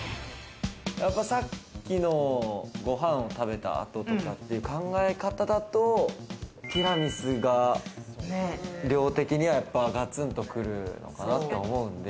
やっぱさっきのご飯を食べた後とかっていう考え方だとティラミスが量的にはガツンとくるのかなって思うんで。